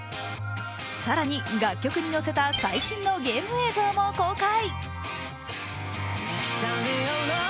更に楽曲に乗せた最新のゲーム映像も公開。